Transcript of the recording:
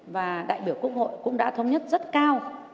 và đại biểu quốc hội cũng đã thống nhất rất cao